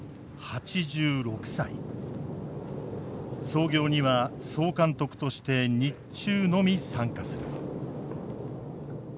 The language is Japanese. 操業には総監督として日中のみ参加する。